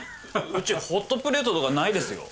うちホットプレートとかないですよ！